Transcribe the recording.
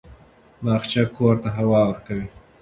باغچه کور ته هوا ورکوي.